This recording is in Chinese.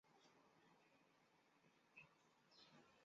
乾隆五十四年提督江苏学政。